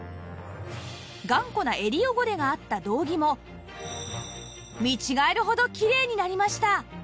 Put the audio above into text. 頑固な襟汚れがあった道着も見違えるほどきれいになりました